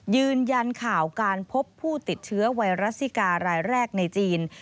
ยืนยันข่าวการพบผู้ติดเชื้อไวรัสซิการายแรกในจีน